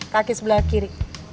kaki sebelah kiri